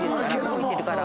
動いてるから。